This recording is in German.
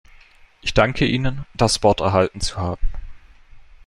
Ich danke Ihnen, das Wort erhalten zu haben.